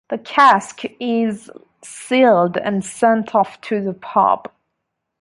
The cask is sealed and sent off to the pub.